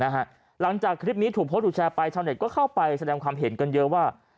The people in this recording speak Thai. หลังจากคลิปนี้ถูกโพสต์ถูกแชร์ไปชาวเน็ตก็เข้าไปแสดงความเห็นกันเยอะว่า